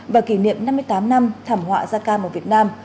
và kỷ niệm năm mươi tám năm thảm họa da cam ở việt nam